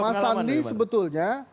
mas sandi sebetulnya